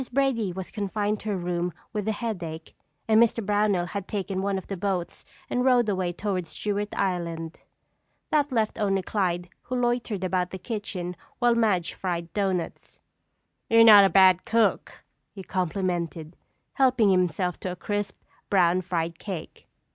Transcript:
Brady was confined to her room with a headache and Mr. Brownell had taken one of the boats and rowed away toward Stewart Island. That left only Clyde who loitered about the kitchen while Madge fried doughnuts. "You're not a bad cook," he complimented, helping himself to a crisp, brown fried cake.